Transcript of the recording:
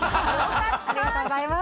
ありがとうございます。